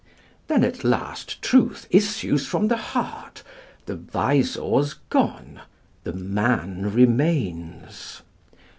["Then at last truth issues from the heart; the visor's gone, the man remains."